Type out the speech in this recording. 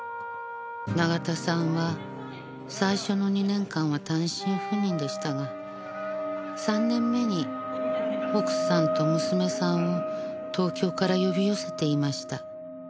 永田さんは最初の２年間は単身赴任でしたが３年目に奥さんと娘さんを東京から呼び寄せていました。